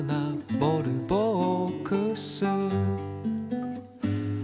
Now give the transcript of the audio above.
「ボルボックス」